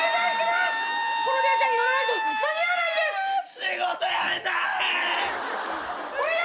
仕事やめたい！